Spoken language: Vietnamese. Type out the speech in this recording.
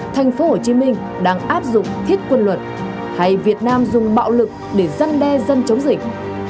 thành phố hồ chí minh đang áp dụng thiết quân luật hay việt nam dùng bạo lực để giăn đe dân chống dịch